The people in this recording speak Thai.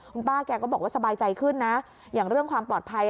คุณป้าแกก็บอกว่าสบายใจขึ้นนะอย่างเรื่องความปลอดภัย